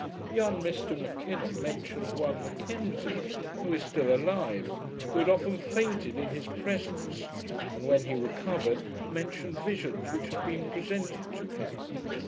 Young Mr M'Kinnon mentioned one M'Kenzie, who is still alive, who had often fainted in his presence, and when he recovered, mentioned visions which had been presented to him.